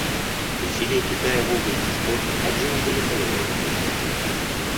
Усилия Китая в области спорта также находятся на новом решающем этапе.